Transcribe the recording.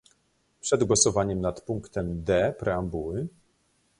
Przed głosowaniem nad punktem D preambuły